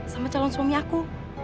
sama calon suami aku